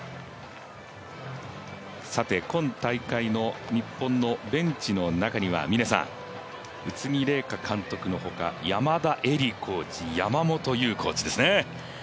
今大会の日本のベンチの中には宇津木麗華監督のほか山田恵里コーチ山本コーチですね。